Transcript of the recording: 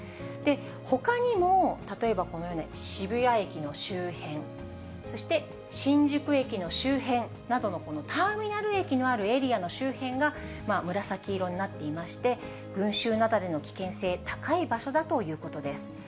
ほかにも例えばこのような渋谷駅の周辺、そして新宿駅の周辺などのターミナル駅のあるエリアの周辺が、紫色になっていまして、群衆雪崩の危険性、高い場所だということです。